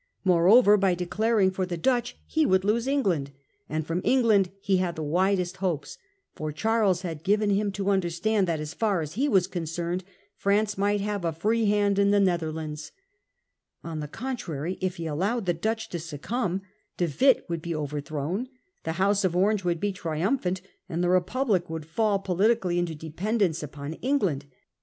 Moreover, by declaring for the Dutch he would lose England ; and from England he had the widest hopes, for Charles had given him to understand that, as far as he was concerned, France mighty have a free hand in the Netherlands. On the con 1665. Battle off Lowestoft. 1 31 trary, if he allowed the Dutch to succumb, De Witt would be overthrown, the House of Orange would be triumphant, and the Republic would fall politically into dependence upon England.